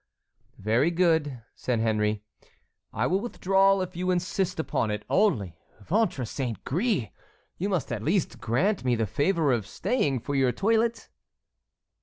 "Very good," said Henry, "I will withdraw if you insist upon it, only, ventre saint gris! you must at least grant me the favor of staying for your toilet."